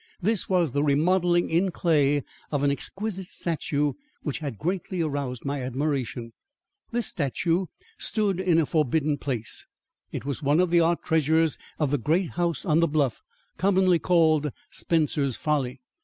This was the remodelling in clay of an exquisite statue which had greatly aroused my admiration. This statue stood in a forbidden place. It was one of the art treasures of the great house on the bluff commonly called Spencer's Folly.